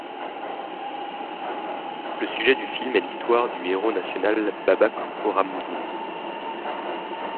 Le sujet du film est l'histoire du héros national Babak Khorramdin.